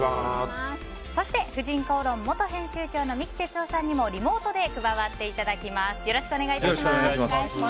そして「婦人公論」元編集長の三木哲男さんにもリモートで加わっていただきます。